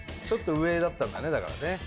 ちょっと上だったんだねだからね